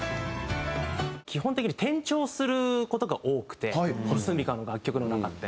基本的に転調する事が多くてｓｕｍｉｋａの楽曲の中って。